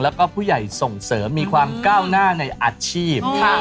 แล้วก็ผู้ใหญ่ส่งเสริมมีความก้าวหน้าในอาชีพ